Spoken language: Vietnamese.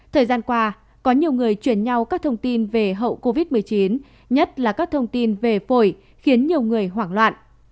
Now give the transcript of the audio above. thời gian qua có nhiều người chuyển nhau các thông tin về hậu covid một mươi chín nhất là các thông tin về phổi khiến nhiều người hoảng loạn